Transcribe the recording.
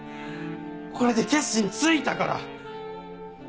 これで決心ついたから。